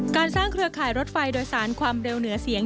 การสร้างเครือข่ายรถไฟโดยสารความเร็วเหนือเสียง